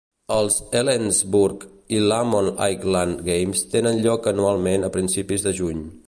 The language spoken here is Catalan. Els Helensburgh i Lomond Highland Games tenen lloc anualment a principis de juny.